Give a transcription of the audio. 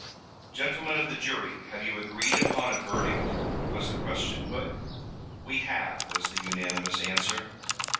"Gentlemen of the jury, have you agreed upon a verdict?" was the question put. "We have," was the unanimous answer.